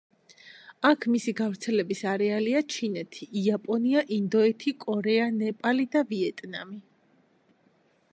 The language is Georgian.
აქ მისი გავრცელების არეალია ჩინეთი, იაპონია, ინდოეთი, კორეა, ნეპალი და ვიეტნამი.